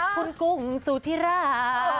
คุณกุ้งสุธิรา